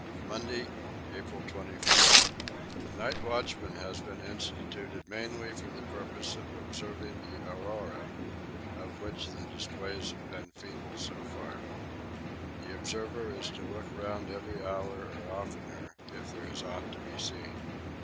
Monday, April 24. A night watchman has been instituted mainly for the purpose of observing the aurora, of which the displays have been feeble so far. The observer is to look round every hour or oftener if there is aught to be seen.